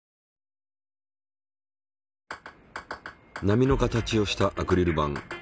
波の形をしたアクリル板。